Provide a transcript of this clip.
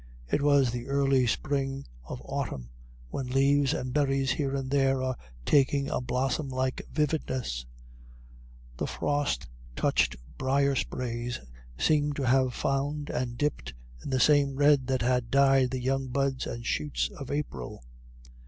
It was the early spring of autumn, when leaves and berries here and there were taking a blossom like vividness; the frost touched brier sprays seemed to have found and dipped in the same red that had dyed the young buds and shoots of April.